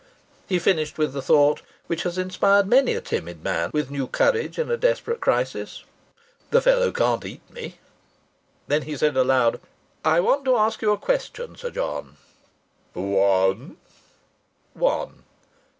He finished with the thought which has inspired many a timid man with new courage in a desperate crisis: "The fellow can't eat me." Then he said aloud: "I want to ask you a question, Sir John." "One?" "One.